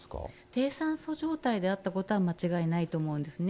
低酸素状態であったことは間違いないと思うんですね。